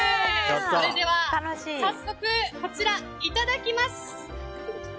それでは早速こちら、いただきます。